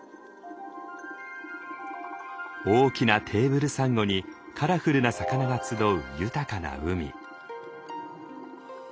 大きなテーブルサンゴにカラフルな魚が集う豊かな海。